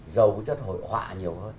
dầu cái chất hội họa nhiều hơn